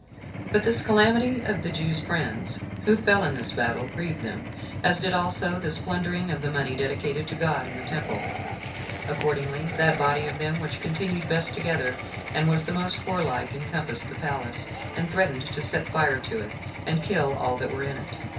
3. But this calamity of the Jews' friends, who fell in this battle, grieved them, as did also this plundering of the money dedicated to God in the temple. Accordingly, that body of them which continued best together, and was the most warlike, encompassed the palace, and threatened to set fire to it, and kill all that were in it.